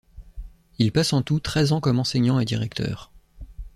Il passe en tout treize ans comme enseignant et directeur.